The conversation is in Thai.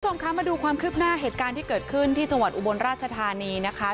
คุณผู้ชมคะมาดูความคืบหน้าเหตุการณ์ที่เกิดขึ้นที่จังหวัดอุบลราชธานีนะคะ